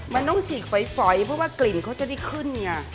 มันต้องฉีกฝอยเพราะว่ากลิ่นเขาจะได้ขึ้นไง